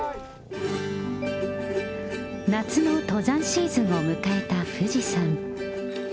夏の登山シーズンを迎えた富士山。